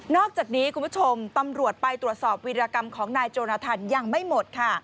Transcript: อกจากนี้คุณผู้ชมตำรวจไปตรวจสอบวิรากรรมของนายโจนทันยังไม่หมดค่ะ